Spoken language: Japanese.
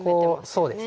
そうですね。